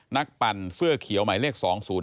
ปั่นเสื้อเขียวหมายเลข๒๐๔